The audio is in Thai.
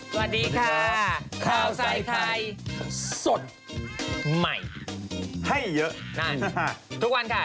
สวัสดีค่ะข้าวใส่ไข่สดใหม่ให้เยอะนั่นทุกวันค่ะ